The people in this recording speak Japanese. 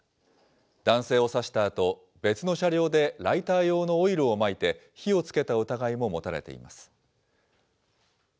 男性を刺したあと、別の車両でライター用のオイルをまいて、火をつけた疑いも持たれています。